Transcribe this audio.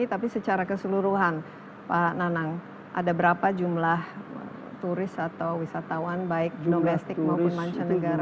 tapi secara keseluruhan pak nanang ada berapa jumlah turis atau wisatawan baik domestik maupun mancanegara